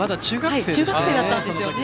中学生だったんですよね。